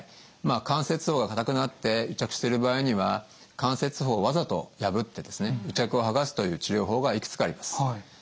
まあ関節包が硬くなって癒着してる場合には関節包をわざと破って癒着を剥がすという治療法がいくつかあります。